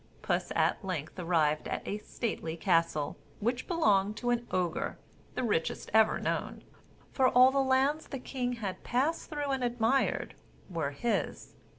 Puss at length arrived at a stately castle, which belonged to an Ogre, the richest ever known; for all the lands the king had passed through and admired were his.